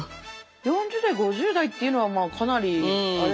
４０代５０代っていうのはかなりあれなんじゃない？